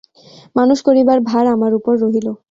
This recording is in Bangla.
মানুষ করিবার ভার আমার উপর রহিল।